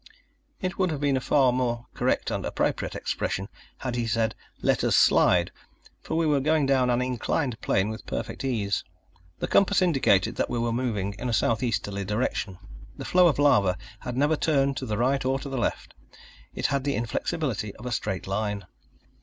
It would have been a far more correct and appropriate expression, had he said, "let us slide," for we were going down an inclined plane with perfect ease. The compass indicated that we were moving in a southeasterly direction. The flow of lava had never turned to the right or the left. It had the inflexibility of a straight line.